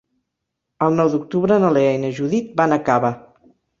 El nou d'octubre na Lea i na Judit van a Cava.